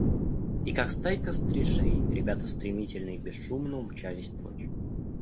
И, как стайка стрижей, ребята стремительно и бесшумно умчались прочь.